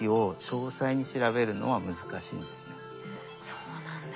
そうなんだ。